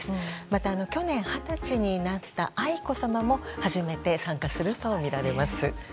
また、去年二十歳になった愛子さまも初めて参加するとみられます。